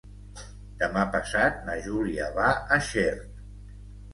Demà passat na Júlia va a Xert.